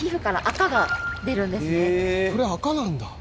これアカなんだ。